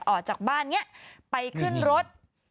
ออกจากบ้านนี้ไปขึ้นรถ